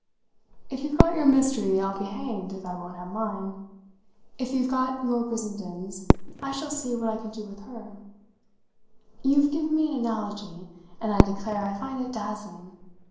If you've got your mystery I'll be hanged if I won't have mine. If you've got your Brissendens I shall see what I can do with her. You've given me an analogy, and I declare I find it dazzling.